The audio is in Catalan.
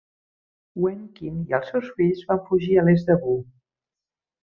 Wen Qin i els seus fills van fugir a l'est de Wu.